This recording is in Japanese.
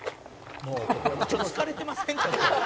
「ちょっと疲れてませんか？」